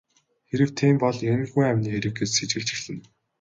Хэрэв тийм бол энэ хүн амины хэрэг гэж сэжиглэж эхэлнэ.